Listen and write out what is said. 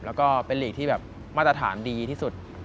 แล้วก็เป็นหลีกที่แบบมาตรฐานดีที่สุด